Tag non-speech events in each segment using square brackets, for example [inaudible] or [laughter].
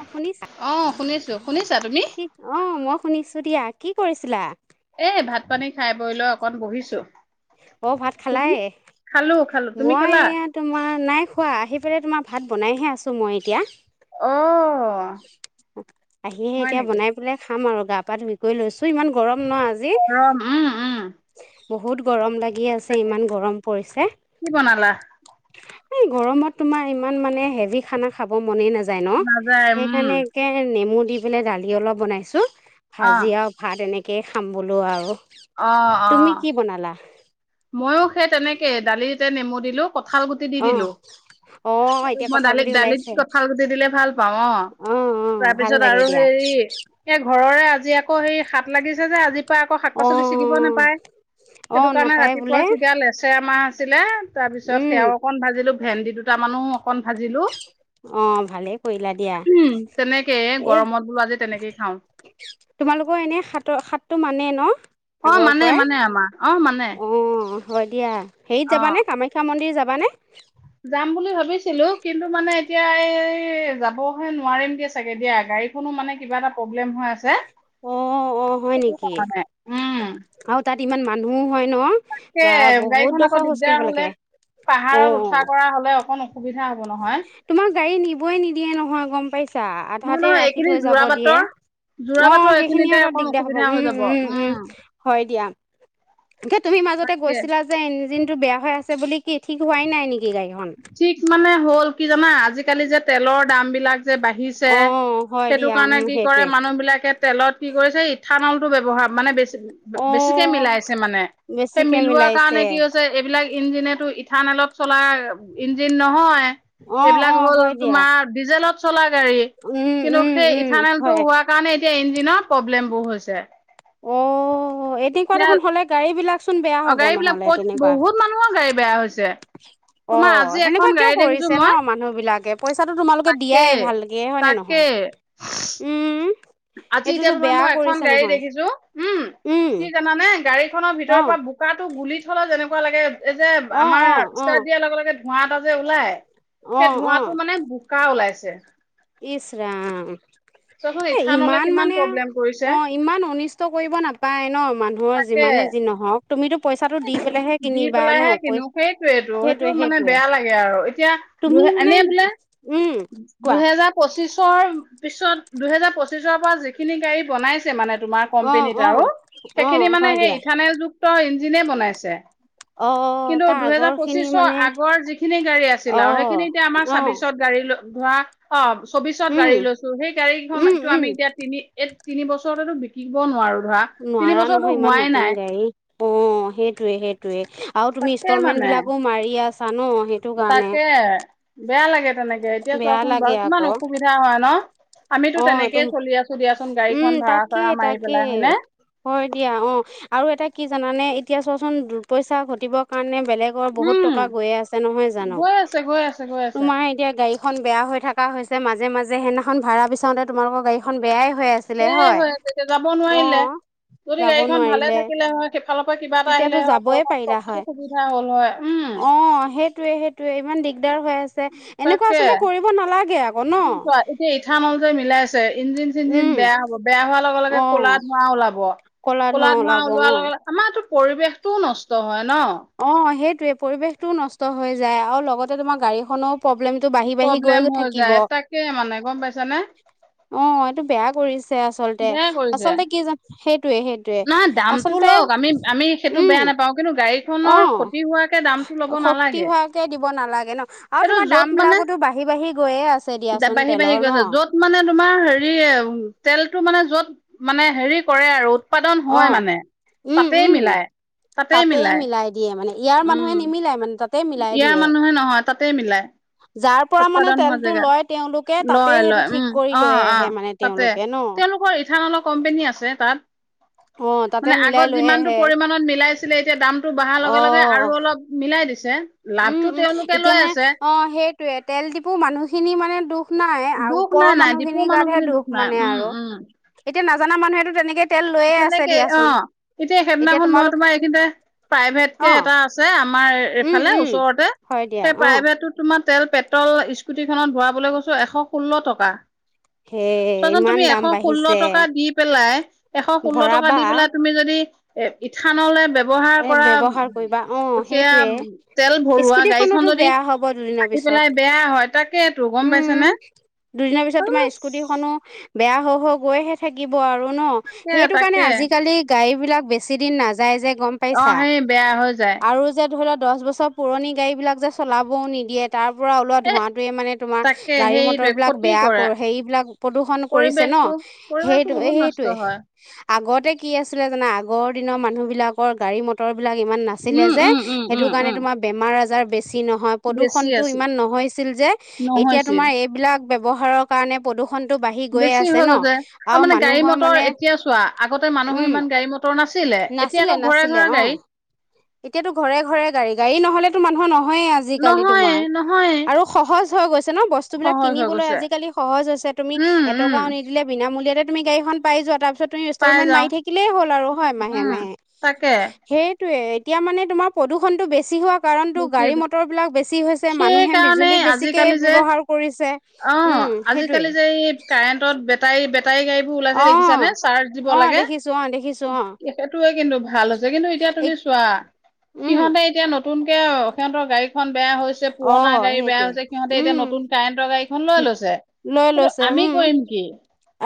অ শুনিছা অ শুনিছো শুনিছা তুমি কি অ মই শুনিছো দিয়া। কি কৰিছিলা? এ, ভাত -পানী খাই বৈ লৈ অকন বহিছোঁ। অ'! ভাত খালাই? খালো তুমি মই খালা এইয়া তোমাৰ নাই খোৱা। আহি পেলাই তোমাৰ ভাত বনাইহে আছোঁ মই এতিয়া। অ আহিহে হয় এতিয়া নেকি বনাই পেলাই খাম আৰু। গা পা ধুই কৰি লৈছোঁ ইমান গৰম। ন আজি অ'! ৰ'। উম! উম! বহুত গৰম লাগ লাগি আছে। তাকে ইমান গৰম পৰিছে। কি বনালা এই গৰমত তোমাৰ ইমান মানে, হেভি খানা খাব মনে নাযায়। নাযায় ন'। সেইকাৰণে, একে নেমু দি পেলাই দালি অলপ বনাইছোঁ। অ ভাজি আৰু ভাত এনে তাকেই খাম বোলো আৰু। অ'! তুমি অ'! কি বনালা মইয়ো সেই তেনেকে দালিতে নেমু দিলোঁ। কঁঠাল গুটি দি অ দিলোঁ। অ এতিয়া মই কঁঠাল দালিত, গুটি দালিত ওলাইছে কঁঠাল গুটি দিলে ভাল পাওঁ। অ'! অ ভাল তাৰপিছত লাগে আৰু দিয়া হেৰি এই ঘৰৰে আজি আকৌ সেই হাত লাগিছে যে আজিৰ পৰা। আকৌ, অ শাক-পাচলি ছিগিব নাপায় অ সেইটো কাৰণে নাপায় [unintelligible] বোলে বেমাৰ হৈছিলে। তাৰ পিছত, উম সেয়াও অকন ভাজিলোঁ। ভেন্দি দুটা মানুহ অকন ভাজিলোঁ। অ ভালেই কৰিলা দিয়া উম, তেনেকেই এ গৰমত বোলো আজি তেনেকেই খাওঁ। তোমালোকৰ এনে সাতৰ সাতটো মানে ন অ'! আগৰ মানে, মানে। আমাৰ অ'! মানে। হ'ব দিয়া। হেৰিত অ যাবা নে? কামাখ্যা মন্দিৰ যাবা? মানে? যাম বুলি ভাবিছোঁ। ভাবিছিলোঁ! কিন্তু মানে, এতিয়া এই যাবহে নোৱাৰিম দিয়া চাগে দিয়া। গাড়ীখনো মানে, কিবা এটা প্ৰব্লেম হৈ আছে। অ অ [unintelligible] হয় সইটো কাৰণে। উম। ত' ইমান মানুহো হয় ন'? তাকে, বা বহুত গাড়ীখন আকৌ, ডোখৰ খোজ দিগদাৰ কাঢ়িব হ'লে লাগে অ পাহাৰত উঠা কৰা হ'লে অকণ অসুবিধা হব নহয় তোমাক গাড়ী নিবই নিদিয়ে নহয় গম পাইছা? নহয় আধাতে নহয় ৰাখি এইখিনি থৈ যাব যোৰা দিয়ে। বাটৰ যোৰা বাটৰ অ'! সেইখিনি এইখিনিতে আৰু অকণ দিগদাৰ হ'ব। অসুবিধা হৈ উম, যাব উম, উম, হয় দিয়া। এতিয়া তুমি মাজতে তাকে গৈছিলা যে ইঞ্জিন [unintelligible] বেয়া হৈ আছে বুলি কি ঠিক হাই নাই নেকি গাড়ী খন। ঠিক মানে হ'ল কি জানা আজিকালি যে তেলৰ দাম বিলাক যে বাঢ়িছে অ হয় সেইটো দিয়া কাৰণে উম কি কৰে সেইটোৱে মানুহ বিলাকে তেলত কি কৰিছে ইথানল ব্যৱহাৰ মানে বেছি। অ বেছিকে মিলাইছে মানে সেই বেছিকে মিলোৱা মিলাইছে কাৰণে কি হৈছে এইবিলাক। ইঞ্জিনেতটো ইথান অলপ চলাই ইঞ্জিন নহয় অ এইবিলাক অ হ'ল হয় দিয়া তোমাৰ ডিজেলত চলা গাড়ী উম কিন্তু উম সেই উম ইথানলটো হয় হোৱাৰ কাৰণে এতিয়া ইঞ্জিনৰ প্ৰব্লেম বোৰ হৈছে। অ এনেকুৱা দেখোন হ'লে গাড়ী বিলাক। চোন বেয়া অ হ'ব গাড়ী বিলাক নহ'লে ক'ত তেনেকুৱা বহুত মানুহৰ গাড়ী বেয়া হৈছে। অ তোমাৰ আজি এখন সেনেকুৱা কিয় গাড়ী দেখিছো কৰিছে মই ন মানুহ বিলাকে পইচাতো তোমালোকে তাকে দিয়াই ভালকে হয়নে তাকে নহয় উম। আজি এতিয়া এইটোতো তোমাৰ বেয়া মই এখন কৰিছে গাড়ী নহয় দেখিছো উম কি জানানে গাড়ীখনৰ অ ভিতৰৰ পৰা বোকাটো গুলি থলা যে িব লাগে [unintelligible] এই যে অ আমাৰ অ অ ষ্টাৰ দিয়াৰ লগে লগে ধোঁৱা এটা যে ওলাই অ সেই ধোঁৱাটো মানে কা ওলাইছে [unintelligible] ইছৰাম চোৱাচোন ইথানলে ইমান কিমান মানে প্ৰব্লেম কৰিছে অ ইমান অনিষ্ট কৰিব নাপায় ন। মই তাকে যিমানে যি নহওক তুমিতো পইচাটো দি পেলাইহে দি কিনিবা ন পেলাইহে পই কিনো সেইটোয়েইটো সেইটো সেইটোৱে মানে সেইটোৱে বেয়া লাগে আৰু এতিয়া তুমি দুহে মানে এনে বোলে উম কোৱা দুহেজাৰ পঁচিছৰ পিছত দুহেজাৰ পঁচিছৰ পৰা যিখিনি গাড়ী বনাইছে মানে তোমাৰ অ কম্পেনীত অ আৰু অ সেইখিনি মানে হয় সেই দিয়া ইথানল য প্ৰইন্ যিনে বনাইছে। অ কিন্তু তাৰ আগৰ দুহেজাৰ খিনি পচিশৰ মানে আগৰ যিখিনি গাড়ী আছিল অ আৰু সেইখিনি এতিয়া আমাৰ অ চাব্বিশত গাড়ী ধৰা অ। চৌবিশত গাড়ী উম লৈছো সেই উম গাড়ীখনতো উম আমি এতিয়া তিনি। তিনি বছৰতেটো বিকিব নোৱাৰো। ধৰা তিনি নোৱাৰা বছৰতো নহয় ইমান হোৱাই নতুন নাই গাড়ী। অ সেইটোয়ে সেই। টোৱে আৰু তুমি তাকে ইনষ্টলমেন্ট মানে বিলাকো মাৰি আছ চা ন সেইটো কাৰণে তাকে বেয়া লাগে তেনেকে এতিয়া বেয়া চোৱাচোন লাগে বাৰু কিমান আকৌ অসুবিধা হয় ন? আমিটো অ তুম তেনেকেই চলি আছোঁ দিয়া চুন উম তাকে তাকে হয় দিয়া অ আৰু এটা কি জানানে? এতিয়া চোৱাচোন দুপইচা ঘটিবৰ কাৰণে বেলেগৰ বহুত উম টকা গৈয় আছে নহয় জানো গৈ আছে গৈ আছে গৈ আছে তোমাৰ এতিয়া গাডী খন বেয়া হৈ থকা হৈছে মাজে মাজে সেইদিনাখন ভাড়া বিচাওঁতে তোমালোকৰ গাড়ীখন বেয়াই হৈ আছিলে সেয়াই হয় তেতিয়া যাব অ নোৱাৰিলে যদি যাব গাড়ীখন ভালে নোৱাৰিলে থাকিলে হয় সেইফালৰ পৰা কিবা এটা আহিলে তেতিয়াতো হয় যাবই ঘৰখন পাৰিলা চলাতো হয় সুবিধা হল হয় উম অ সেইটোয়ে সেইটোয়ে ইমান দিগদাৰ হৈ আছে এনেকুৱা তাকে আচলতে কৰিব নালাগে আকৌ ন। চোৱা এতিয়া ইথানল যে মিলাইছে ইঞ্জিন চিঞ্জিন উম বেয়া হ'ব বেয়া হোৱা ক'লা অ ধোঁৱা ওলাব। ধোঁৱা ক'লা ধোৱা ওলাব ওলোৱা অ লগে লগে আমাৰ পৰিৱেশটোও নষ্ট হয়। ন অ সেইটোয়ে পৰিৱেশটোও নষ্ট হৈ যায় আৰু লগতে তোমাৰ গাড়ীখনো। প্ৰব্লেমটো বাঢ়ি বাঢ়ি প্ৰব্লেম গৈ হৈ থাকিব। যায় অ তাকে মানে গম পাইছানে এইটো বেয়া। পৰিচ। চে আচলতে। আচলতে কি জান সেই নহ দামটো লওক আমি আমি সেইটো বেয়া উম নাপাওঁ কিন্তু গাড়ী অ শক্তি নালাগে হোৱাকে দিব নালাগে ন আৰু সেইটো তোমাৰ য'ত দাম মানে বিলাকতো বাঢ়ি বাঢ়ি গৈয়ে আছে দিয়াচোন বাঢ়ি বাঢ়ি তেলৰ ন। গৈছে য'ত মানে তোমাৰ হেৰি তেলটো মানে যত মানে হেৰিত কৰে আৰু উৎপাদন অ হয় মানে উম তাতেই উম মিলাই তাতেই মিলাই ইয়াৰ উম মানুহে নিমিলাই মানে তাতে মিলাই ইয়াৰ দিয়ে মানুহে নহয় তাতেই মিলাই যাৰ পৰা মানে উৎপাদন হোৱা তেলটো লয় তেওঁলোকে জেগাত। তাতেই লয় সেইটো লয় ঠিক উম কৰি অ লৈ অ আহে মানে তাতে তেওঁলোকে ন তেওঁলোকৰ ইথানলৰ কম্পেনী আছে তাত অ', তাতে মানে মিলাই আগত লৈ যিমানটো আহে পৰিমানত মিলাইছিলে এতিয়া দামটো বঢ়াৰ লগে লগে অ', আৰু অলপ মিলাই দিছিল। ছে উম, লাভটো উম, তেওঁলোকে এতিয়া লৈ মানে আছে। অ', সেইটোয়ে তেল ডিপু মানুহখিনি মানে দুখ দুখ নাই দুখ ওপৰৰ নাই নাই ডিপুৰ মানুহখিনিৰ গাতহে মানুহখিনি দুখ নাই মানে উম আৰু। এতিয়া না জনা মানুহেটো তেনেকেয় তেনেকেই অ এতিয়া সেইদিনাখন মই তোমাৰ এইখিনিতে প্ৰাইভেট কে অ', এটা আছে আমাৰ উম, এইফালে উম, ওচৰতে হয় দিয়া সেই অ', প্ৰাইভেটটো তোমাৰ তেল পেট্ৰল স্কুটিখনত ভৰাবলৈ গৈছো এশ ষোল্ল টকা। সেই চোৱাচোন ইমান তুমি এশ দাম ষোল্ল বাঢ়িছে টকা দি পেলাই এশ ষোল্ল টকা ভৰাবা দি পেলাই তুমি যদি এ ইথানলে ব্যৱহাৰ এ কৰা ব্যৱহাৰ কৰিবা অহ সেয়া সেইটোৱে তেল ভৰোৱা গাড়ীখন স্কুটিখনোতো যদি বেয়া হব দুদিনৰ আহি পিছত। পেলাই বেয়া হয় তাকেতো গম পাইছে উম নে দুদিনৰ পিছত তোমাৰ তাকে স্কুটিখনো, বেয়া হ হৈ গৈহে থাকিব আৰু। ন সেইটো কাৰণে তাকে আজিকালি গাড়ী, বিলাক বেছি দিন নাযায় যে গম অ পাইছা সেই বেয়া হৈ যায়। আৰু যে ধৰি লওক দহ বছৰ পুৰণি গাড়ীবিলাক যে চলাবও নিদিয়ে, তাৰ পৰা ওলোৱা এ ধোঁৱাটোৱে মানে তোমাৰ তাকে গাড়ী মটৰ সেইটোৱে বিলাক ক্ষতি বেয়া কৰে কৰ সেইবিলাক প্ৰদূষণ কৰিছে ন, পৰিৱেশটো পৰিৱেশটো সেইটো বহুত নষ্ট সেইটোৱে হয় আগত আগেতে কি আছিলে জানা আগৰ দিনৰ মানুহ বিলাক বৰ গাড়ী মটৰ বিলাক ইমান নাছিলে উম যে উম উম সেইটো উম কাৰনে উম তোমাৰ বেমাৰ আজাৰ কি নহয় বেছি প্ৰদূষণটো আছিল ইমান নহৈছিল যে এতিয়া নহৈছিল তোমাৰ এইবিলাক ব্যৱহাৰৰ কাৰণে প্ৰদূষণ বেছি হৈ গৈছে। তাৰ মানে গাড়ী মানুহৰ মটৰ মানে এতিয়া চোৱা আগতে মানুহৰ উম ইমান গাড়ী মটৰ নাছিল নাছিলে নাছিলে অ, এতিয়াতো ঘৰে ঘৰে গাড়ী গাড়ী নহলে মানুহ নহয় নহয়ে আজি-কালি নহয়ে তোমাৰ, নহয়ে আৰু সহজ থৈ গৈছে। ন বস্তু বিলাক সহজ হৈ কিনিবলৈ গৈছে আজিকালি সহজ হৈছে তুমি উম এটকাও উম নিদিলে বিনামূলীয়াত তুমি গাড়ীখন পাই যোৱা তাৰপিছত তুমি পাই ইনষ্টলমেট যাওঁ মাৰি থাকিলেই হ'ল আৰু উম তাকে। এটো এতিয়া মানে তোমাৰ প্ৰদূষণটো বেছি হোৱা কাৰণতো বেছি গাড়ী হৈছে। মটৰ বিলাক বেছি হৈছে মানুহে, সেইকাৰণে বিজুলী বেছিকে আজিকালি যে ব্যৱহাৰ কৰিছে অ উম সেইটোয়ে। আজিকালি যে এই কাৰেণ্টত বেটাৰী বেটাৰী গাড়ী বোৰ ওলাইছে দেখিছা নে চাৰ্জ দিব লাগে। দেখিছো অ', দেখিছো অ', সেইটোয়ে কিন্তু ভাল হৈছে কিন্তু এতিয়া এই তুমি চোৱা উম সিহঁতে এতিয়া নতুন নতুনকে অ সিহঁতৰ গাড়ীখন। বেয়া হৈছে অ', পুৰণাগাড়ী বেয়া সেইটোৱে হৈছে সিহঁতে এতিয়া উম। নতুন কাৰেণ্টৰ গাড়ী ধন লৈ লৈছে লৈ কিন্তু লৈছে আমি উম কৰিম কি?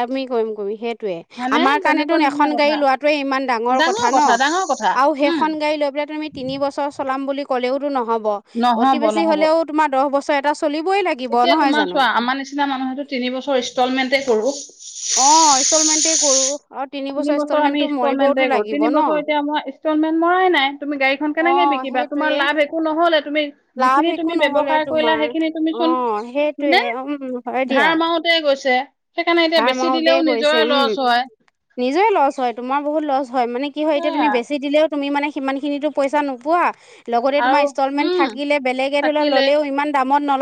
আমি কৰিম কৰি সেই সেইটোৱেই হয়নে আমাৰ কাৰণে তেনেকুৱা তুন নিচিনা এখন কথা গাড়ী লোৱাটোৱে ইমান ডাঙৰ কথা ন ডাঙৰ কথা আৰু উম সেইখন গাড়ী লৈ পেলাই তুমি তিনি বছৰ চলাম বুলি ক'লেওতো নহ'ব। অ অতি নহব বেছি নহব হলেও তোমাৰ দহ বছৰ ট এটা চলিবই লাগিব এতিয়া নহয় তোমাৰ জানো? চোৱা আমাৰ নিচিনা মানুহেটো তিনি বছৰ ইনষ্টলমেন্টে [unintelligible] অ ইনষ্টলমেণ্টে কৰো। তিন বছৰ আমি ইনষ্টলমেণ্টে কৰো লাগিব তিন বছৰ ন। এতিয়া আমাৰ ইনষ্টলমেট ভৰাই নাই তুমি গাড়ীখন কেনেকৈ অ', বিকিবা তোমাৰ সেইটোৱে লাভ একো নহলে তুমি লাভ যিখিনি তুমি একো নহ'লে ব্যৱসায় কৰিলা তোমাৰ। সেইখিনি তুমি চোন অ', সেইটোৱে হয়নে উম, হয় দিয়া ধাৰ মাৰোতে গৈছে। সেইকাৰণে এতিয়া ধাৰ বেছি মাৰোতে দিলেও গৈছে নিজৰে উম। লছ হয়। নিজৰে লছ হয় তোমাৰ বহুত লছ হয় মানে কি হয় এতিয়া তুমি সেয়া বেছি দিলেও তুমি মানে সিমান খিনিতো পইচা নোপোৱা লগতে আৰু তোমাৰ ইনষ্টলমেন্ট উম থাকিলে বেলেগে ধৰিলোৱা থাকিলে ল'লেও ইমান দাম ম নত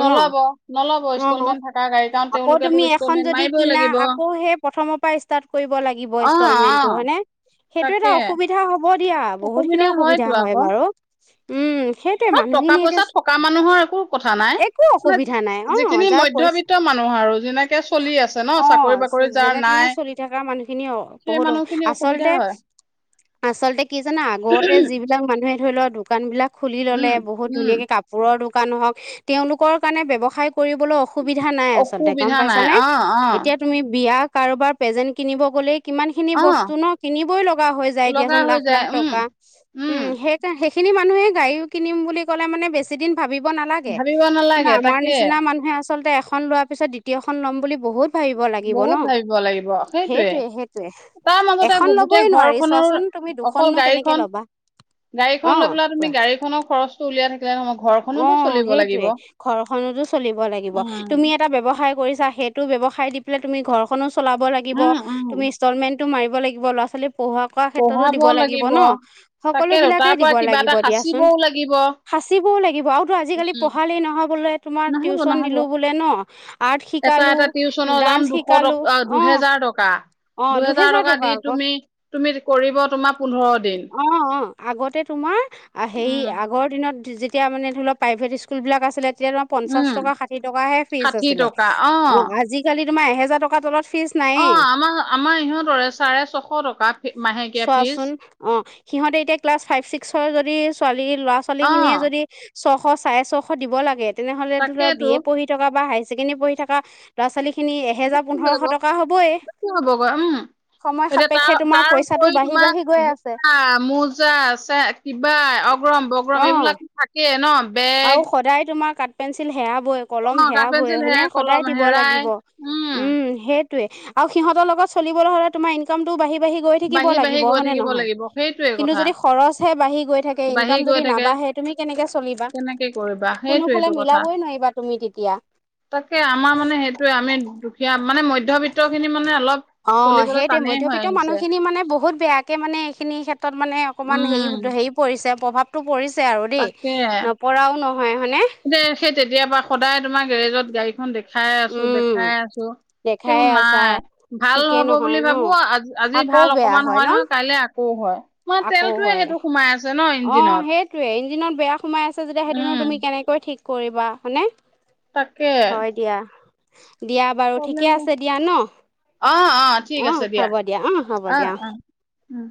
নলব, নলব ইনষ্টলমেণ্ট থকা গাড়ী কাৰণ আকৌ তেওঁলোকেতো তুমি ইনষ্টল এখন যদি কিনা আকৌ সেই প্ৰথম পৰা ইষ্টাট কৰিব লাগিব অ ইনষ্টলমেণ্টটো হয় নে? সেইটো এটা তাকে অসুবিধা হব দিয়া বহুতখিনি অসুবিধা হয়তো হয় আকৌ বাৰু উম সেইটোৱে টকা মানুহখিনি এতিয়া পইচা থকা মানুহৰ একো কথা নাই একো অসুবিধা নাই অ মানে যিখিনি যাৰ পইচা মধ্যবিত্ত মানুহ আৰু যেনেকে চলি আছে ন অ চাকৰি যে বাকৰি যাৰ যেনে তেনে নাই চলি থকা মানুহখিনি অ সেই বহুত মানুহখিনি অসুবিধা আচলতে হয় আচলতে কি জানা আগতে যিবিলাক মানুহে ধৰি লও দোকান বিলাক খুলি উম ল'লে বহুত উম ধুনীয়াকে কাপোৰৰ দুখ নহওক তেওঁলোকৰ কাৰণে ব্যৱসায় কৰিবলও অস [unintelligible] সুবিধা নাই আচলতে গম অসুবিধা পাইছা নাই নে অ এতিয়া তুমি বিয়া কাৰোবাৰ পেজেণ্ট কিনিব গ'লেই কিমান খিনি অ অ বস্তু ন কিনিবই লগা হৈ যায় লগা দিয়াচোন হৈ লাখ যায় লাখ উম টকা উম সেইকা সেই [unintelligible] সেখিনি মানুহে গাড়ী কিনিম বুলি ক'লে মানে বেছি দিন ভাবিব নালাগে ভাবিব কিন্তু নালাগে আমাৰ তাকে নিচিনা মানুহে আছ আচলতে এখন লোৱাৰ পিছত দ্বিতীয়খন ল'ম বুলি বহুত ভাবিব লাগিব ন। বহুত ভাবিব লাগিব সেইটোয়ে সেইটোৱে সেইটোৱে তাৰ মাজতে এখন গো গোটেই ল'বই নোৱাৰি ঘৰখনৰ চোৱাচোন তুমি অকল দুখননো কেনেকে গাড়ীখন ল'বা। অ গাড়ীখন লৈ পেলাই কোৱা তুমি গাড়ী খনৰ খৰচটো উলিয়াই থাকিলে নহয় অ ঘৰখনোতো চলিব লাগিব সেইটোৱে উম ঘৰখনতো [unintelligible] চাহেত [unintelligible] টো ব্যৱসায় দি পেলাই তুমি ঘৰখনো চলাব লাগিব উম উম তুমি ষ্টলমেণ্ট টো মাৰিব লাগিব লৱা' ছোৱালী পঢ়া কৰা ক্ষেত্ৰতো দিব লাগিব ন সকলো তাকেতো বিলাকে তাৰ দিব পৰা কিবা লাগিব এটা দিয়াচোন সাঁচিবও লাগিব সাঁচিবও লাগিব আৰুতো আজিকালি উম পঢ়ালেই নহবলৈ [unintelligible] তোমাৰ নহব টিউশচন নহব দিলোঁ বোলে ন আৰ্ট শিকালোঁ [unintelligible] টিউচন যাম দুশ টক আ দুহেজাৰ টকা দুহেজাৰ টকা দি তুমি তুমি কৰিব তোমাৰ পোন্ধৰ [unintelligible] অ অ আগতে তোমাৰ হেই উম আগৰ দিন [unintelligible] যে যেতিয়া মানে ধৰি লওক প্ৰাইভেট স্কুলবিলাক আছিলে তেতিয়া তোমাৰ পঞ্চাশ উম, টকা ষাঠি টকাহে ফিজ ষাঠি আছিলে টকা অ', আমাক আজিকালি তোমাৰ এহেজাৰ টকাৰ তলত ফিজ অ নায়েই আমাৰ আমাৰ ইহঁতৰে চাৰে ছশ টকা ফি- মাহেকীয়া ফিজ। চোৱাচোন অ সিহঁতে এতিয়া ক্লাছ ফাইভ ছিক্সৰ যদি ছোৱালী ল'ৰা ছোৱালী খিনিয়ে অ', যদি ছশ চাৰে ছশ দিব লাগে তেনেহ'লে টো ত বি তাকেইতো এ পঢ়ি থকা বা হাইছ ছেকেণ্ডি পঢ়ি থকা লৰা ছোৱালী [unintelligible] খিনি এহেজাৰ বেছি হৈ পোন্ধৰশ যাব, টকা হ'বই বেছি হ'বগৈ সময় সাপেক্ষে তোমাৰ [unintelligible] কৈ তোমাক বাঢ়ি গৈ আছে জোতা মোজা চে কিবা অগৰম বগৰম অঁ এইবিলাক থাকে কে ন বেগ আৰু সদায় তোমাৰ কাত- পেঞ্চিল হেআপ- বয় কলম অ', সেয়া কাঠ বয় পেঞ্চিল মানে হেৰাই কলম সদায় দিব হেৰাই লাগিব, উম সেই টোৱে আৰু সিহঁতৰ লগত চলিবলৈ হ'লে তোমাৰ ইনকামটো বাঢ়িব বাঢ়ি বাঢ়ি গৈ থাকিব বাঢ়ি বাঢ়ি লাগিব গৈ হয় নে থাকিব নহয়, লাগিব সেইটোৱে কিন্তু কথা যদি খৰচ হে বাঢ়ি গৈ থাকে বাঢ়ি ইনকাম যদি নাবাঢ়ে তুমি কেনেকে চলিবা। কি কৰিবা সেইটোৱে কোনোফালে টো কথা মিলাবই নোৱাৰিবা তুমি তেতিয়া তাকে আমাৰ মানে সেইটোৱে আমি দুখীয়া। মানে ম মধ্যবিত্ত খিনি মানে অলপ অ চলিবলৈ সেইটোৱে টানেই হৈ মধ্যবিত্ত আহিছে মানুহখিনি মানে বহুত বেয়াকে মানে এইখিনি ক্ষেত্ৰত মানে অকণমান হেৰি উম হেৰি পৰিছে। প্ৰভাৱটো পৰিছে। আৰু দেই তাকে নপৰাও নহয় হয়নে সেই, তেতিয়াবা সদায়, তোমাৰ গেৰেজত গাড়ীখন দেখো, খাই আছো উম দেখাই আছো কিন্তু দেখাই আছা নাই, ঠিকেই ভালহব বুলি নহয় ন ভাবো আ আজি আকৌ ভাল বেয়া অকমান হয় ন নহয় কাইলে আকৌ হয় মই আকৌ তেলটোয়ে হয় সেইটো সোমাই আছে ন অ ইঞ্জিনত। সেইটোৱে ইঞ্জিনত বেয়া সোমাই আছে যেতিয়া সেইটোনো তুমি উম কেনেকৈ ঠিক কৰিবা হয়নে? তাকে হয় দিয়া দিয়া বাৰু ঠিকে প্ৰব্লেম আছে দিয়া ন! অ ঠিক অ আছে হ'ব দিয়া অ হ'ব দিয়া অ। উম।